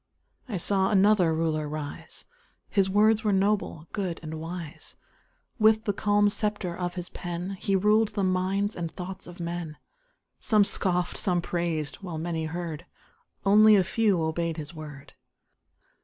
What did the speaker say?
I saw another Ruler rise His words were noble, good, and wise; With the calm sceptre of his pen He ruled the minds and thoughts of men; Some scoffed, some praised while many heard, Only a few obeyed his word.